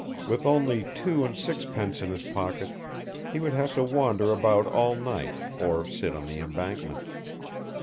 With only two and sixpence in his pocket, he would have to wander about all night, or sit on the embankment.